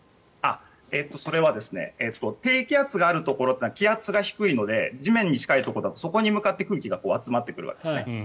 それは低気圧があるところは気圧が低いので地面に近いところはそこに向かって空気が集まってくるわけですね。